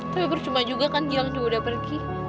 tapi percuma juga kan giang juga udah pergi